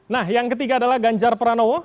nah yang ketiga adalah ganjar pranowo